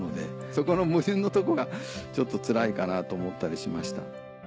そこの矛盾のとこがちょっとつらいかなと思ったりしました。